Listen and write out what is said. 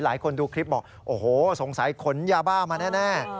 หลายคนดูคลิปบอกโอ้โหสงสัยขนยาบ้ามาแน่